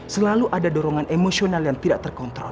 selalu ada dorongan emosional yang tidak terkontrol